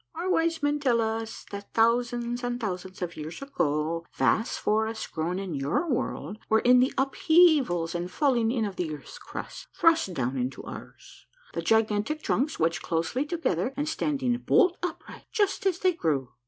Our wise men tell us that thousands and tliousands of years ago vast forests grown in your world were in the upheavals and fallings in of the earth's crust thrust down into ours, the gigantic trunks wedged closely together, and standing bolt upright just as they grew.